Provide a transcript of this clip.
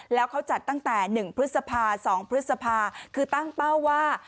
แล้วเขาจัดตั้งแต่๑พฤษภา๒พฤษภาคือตั้งเป้าว่า